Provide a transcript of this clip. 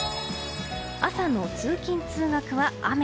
朝の通勤・通学は雨。